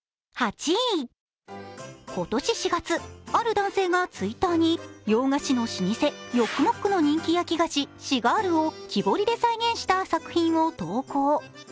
今年４月、ある男性がＴｗｉｔｔｅｒに洋菓子の老舗ヨックモックの人気焼き菓子シガールを木彫りで再現した作品を投稿。